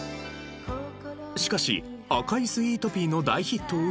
しかし『赤いスイートピー』の大ヒットを受け